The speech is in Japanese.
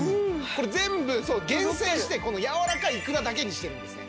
これ全部厳選してやわらかいいくらだけにしてるんですね。